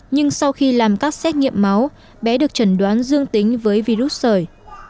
nhưng sau khi làm các xét nghiệm máu bé được trần đoán dương tính với virus sởi